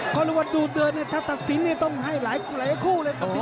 ก็รู้ว่าดูเดินถ้าตัดสินต้องให้หลายคู่เลย